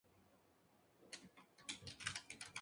Ritchie es el único hijo de Christine.